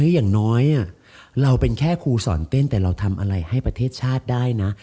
อย่างน้อยเราเป็นแค่ครูสอนเต้นแต่เราทำอะไรให้ประเทศชาติได้นะ